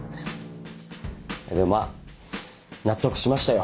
でもまぁ納得しましたよ